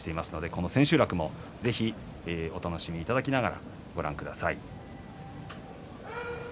この千秋楽も、ぜひお楽しみいただきながらご覧ください。